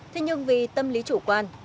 thế nhưng vì tâm lý chủ quan